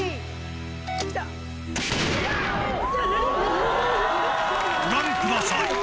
ご覧ください。